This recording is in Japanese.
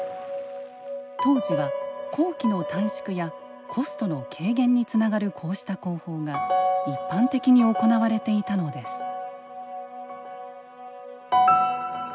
当時は、工期の短縮やコストの軽減につながるこうした工法が一般的に行われていたのです。